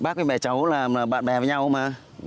bác với mẹ cháu làm là bạn bè với nhau mà